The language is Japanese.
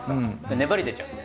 粘り出ちゃうんで。